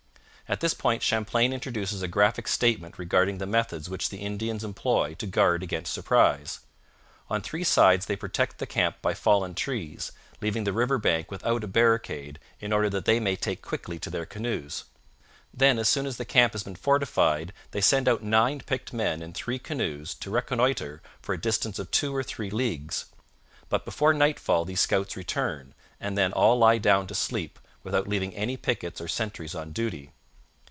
At this point Champlain introduces a graphic statement regarding the methods which the Indians employ to guard against surprise. On three sides they protect the camp by fallen trees, leaving the river bank without a barricade in order that they may take quickly to their canoes. Then, as soon as the camp has been fortified, they send out nine picked men in three canoes to reconnoitre for a distance of two or three leagues. But before nightfall these scouts return, and then all lie down to sleep, without leaving any pickets or sentries on duty.